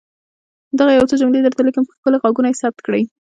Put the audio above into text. دغه يو څو جملې درته ليکم چي په ښکلي ږغونو يې ثبت کړئ.